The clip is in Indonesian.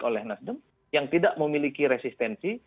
oleh nasdem yang tidak memiliki resistensi